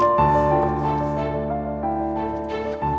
mungkin gue bisa dapat petunjuk lagi disini